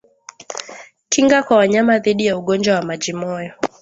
Kinga kwa wanyama dhidi ya ugonjwa wa majimoyo